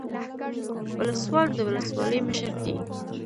ولسوال د ولسوالۍ مشر دی